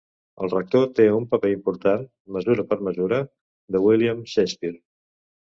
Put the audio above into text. El Rector té un paper important "Mesura per mesura" de William Shakespeare.